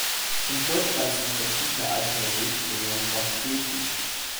In Deutschland sind verschiedene alte Regelungen noch gültig.